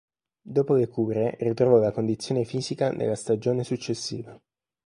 Dopo le cure ritrovò la condizione fisica nella stagione successiva.